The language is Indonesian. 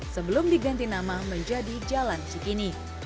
sebelum diganti nama menjadi jalan cikini